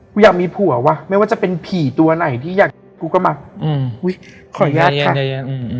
อยากมีผัววะไม่ว่าจะเป็นผีตัวไหนที่อยากกูก็มาอืมอุ้ยขออนุญาตค่ะอืม